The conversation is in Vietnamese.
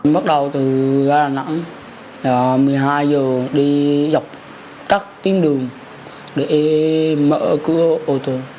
bắt đầu từ đà nẵng một mươi hai h đi dọc các tuyến đường để mở cửa ô tô